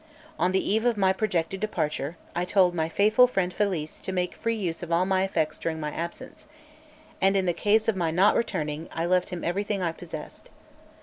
On the eve of my projected departure, I told my faithful friend Felice to make free use of all my effects during my absence; and in the case of my not returning; left him everything I possessed.